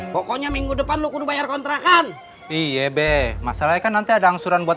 pokoknya minggu depan lu kudu bayar kontrakan iye be masalahnya kan nanti ada angsuran buat